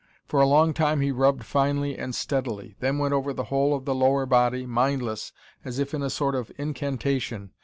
For a long time he rubbed finely and steadily, then went over the whole of the lower body, mindless, as if in a sort of incantation.